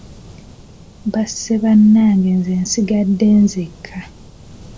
Basse bannange nze nsigadde nzekka.